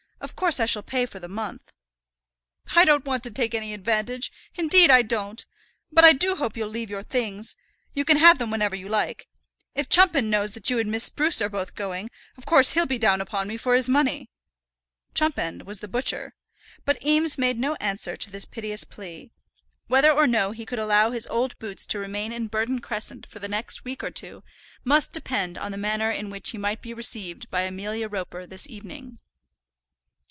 Of course I shall pay for the month." "I don't want to take any advantage; indeed, I don't. But I do hope you'll leave your things. You can have them whenever you like. If Chumpend knows that you and Miss Spruce are both going, of course he'll be down upon me for his money." Chumpend was the butcher. But Eames made no answer to this piteous plea. Whether or no he could allow his old boots to remain in Burton Crescent for the next week or two, must depend on the manner in which he might be received by Amelia Roper this evening.